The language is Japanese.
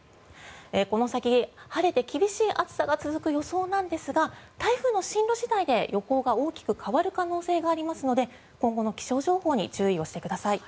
この先、晴れて厳しい暑さが続く予想なんですが台風の進路次第で予報が大きく変わる可能性がありますので今後の気象情報に注意をしてください。